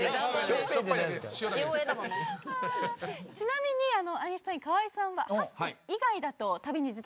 ちなみにアインシュタイン河井さんは８選以外だと「旅に出たくなる曲」何ですか？